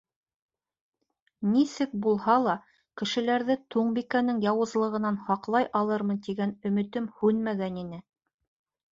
Нисек булһа ла кешеләрҙе Туңбикәнең яуызлығынан һаҡлай алырмын тигән өмөтөм һүнмәгән ине.